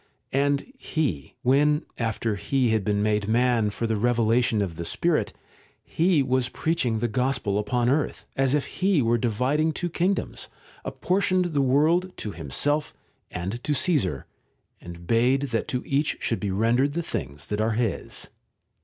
And He, when, after He had been made man for the revelation of the Spirit, He was preaching the gospel upon earth, as if He were dividing two kingdoms, apportioned the world t<> Himself and to Caesar, and bade that to each should be rendered the things that are his.